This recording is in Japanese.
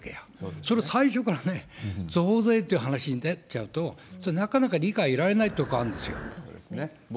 それを最初からね、増税っていう話になっちゃうと、それ、なかなか理解得られないところあるんですよ。